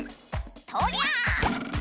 とりゃあ！